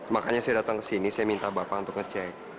makanya saya datang kesini saya minta bapak untuk ngecek